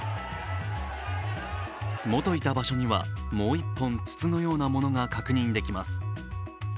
元いた場所にはもう１本、筒のようなものが確認できます。